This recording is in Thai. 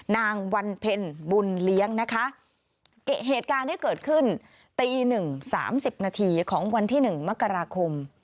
นางวันเพ็ญบุญเลี้ยงนะคะเหตุการณ์ที่เกิดขึ้นตีหนึ่งสามสิบนาทีของวันที่หนึ่งมกราคม